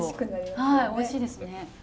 はいおいしいですね。